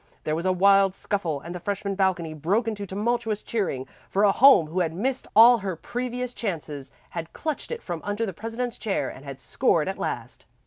There was a wild scuffle and the freshman balcony broke into tumultuous cheering, for a home who had missed all her previous chances had clutched it from under the president's chair and had scored at last.